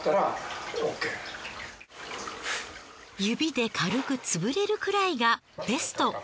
指で軽く潰れるくらいがベスト。